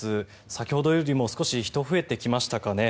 先ほどよりも少し、人が増えてきましたかね。